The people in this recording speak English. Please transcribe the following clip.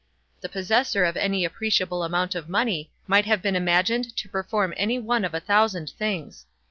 The possessor of any appreciable amount of money might have been imagined to perform any one of a thousand things.